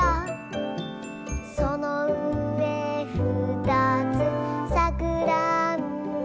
「そのうえふたつさくらんぼ」